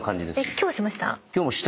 今日しました？